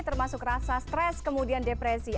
termasuk rasa stres kemudian depresi